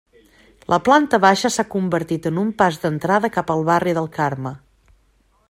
La planta baixa s'ha convertit en un pas d'entrada cap al barri del Carme.